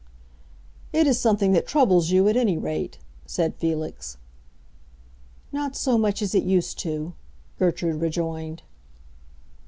"It is something that troubles you, at any rate," said Felix. "Not so much as it used to," Gertrude rejoined.